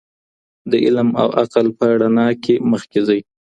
د علم او عقل په رڼا کي مخکي ځئ.